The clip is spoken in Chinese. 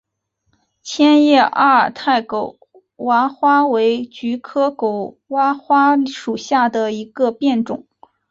千叶阿尔泰狗娃花为菊科狗哇花属下的一个变种。